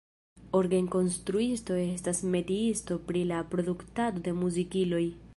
Orgenkonstruisto estas metiisto pri la produktado de muzikiloj.